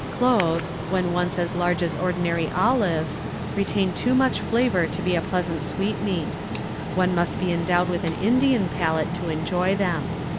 Cloves, when once as large as ordinary olives, retain too much flavour to be a pleasant sweetmeat. One must be endowed with an Indian palate to enjoy them.